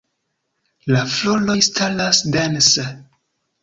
La floroj staras dense.